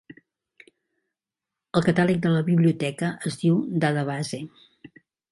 El catàleg de la biblioteca es diu "Dadabase".